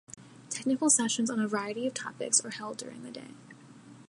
Technical sessions on a variety of topics are held during the day.